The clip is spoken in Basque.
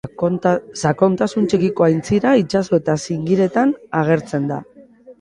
Sakontasun txikiko aintzira, itsaso eta zingiretan agertzen da.